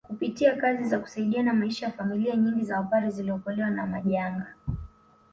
Kupitia kazi za kusaidiana maisha ya familia nyingi za Wapare ziliokolewa na majanga